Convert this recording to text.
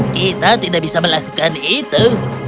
kita tidak bisa melakukan itu